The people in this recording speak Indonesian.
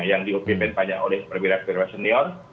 yang diopin banyak oleh pemirsa pemirsa senior